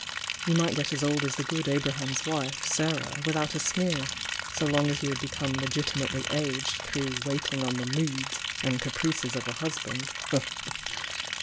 You might get as old as the good Abraham's wife, Sara, without a sneer, so long as you had be come legitimately aged through waiting on the moods and caprices of a husband!"